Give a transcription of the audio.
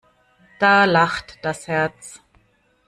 Da lacht das Herz.